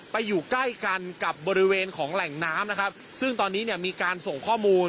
ไปอยู่ใกล้กันกับบริเวณของแหล่งน้ำนะครับซึ่งตอนนี้เนี่ยมีการส่งข้อมูล